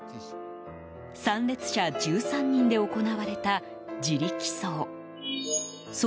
参列者１３人で行われた自力葬。